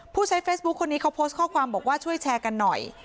ผู้ใช้เฟซบุ๊คคนนี้เขาโพสต์ข้อความบอกว่าช่วยแชร์กันหน่อย